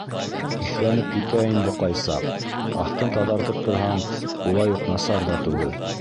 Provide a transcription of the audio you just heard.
Еҫләнеп китә инде ҡай саҡ, аҫтын таҙартып торһаң, улай уҡ насар ҙа түгел.